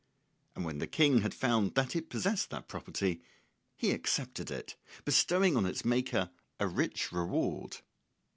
And when the King had found that it possessed that property, he accepted it, bestowing on its maker a rich reward.